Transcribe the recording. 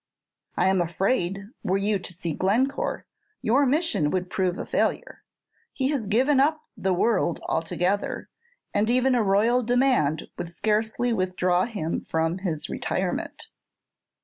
"I am afraid, were you to see Glencore, your mission would prove a failure. He has given up the world altogether, and even a royal command would scarcely withdraw him from his retirement."